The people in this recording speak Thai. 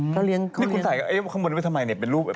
ก็เลี้ยงขึ้นนี่คุณใส่ข้างบนไว้ทำไมเนี่ยเป็นรูป